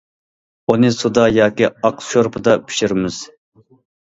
ئۇنى سۇدا ياكى ئاق شورپىدا پىشۇرىمىز.